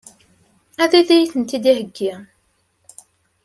Ad iyi-ten-id-iheggi?